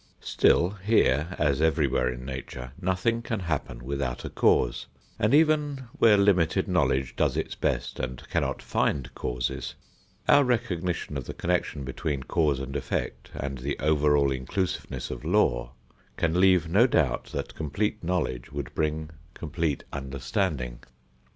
Still here, as everywhere in Nature, nothing can happen without a cause, and even where limited knowledge does its best and cannot find causes, our recognition of the connection between cause and effect and the all inclusiveness of law can leave no doubt that complete knowledge would bring complete understanding.